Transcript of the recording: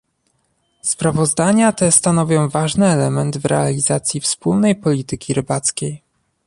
Sprawozdania te stanowią ważny element w realizacji wspólnej polityki rybackiej